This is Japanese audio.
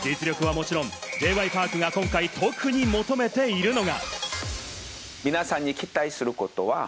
もちろん、Ｊ．Ｙ．Ｐａｒｋが今回、特に求めているのが。